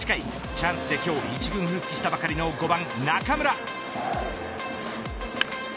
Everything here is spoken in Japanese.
チャンスで今日一軍復帰したばかりの５番中村。